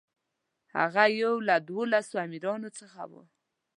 هغه یو له دولسو امیرانو څخه و.